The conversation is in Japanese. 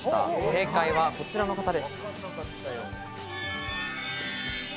正解はこちらの方です。